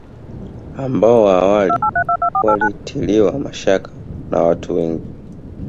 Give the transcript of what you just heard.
Ambao awali ulitiliwa mashaka na watu wengi